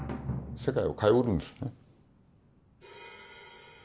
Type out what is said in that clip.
世界を変えうるんですね。